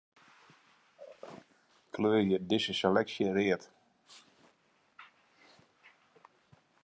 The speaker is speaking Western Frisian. Kleurje dizze seleksje read.